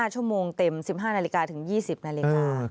ชั่วโมงเต็ม๑๕นาฬิกาถึง๒๐นาฬิกา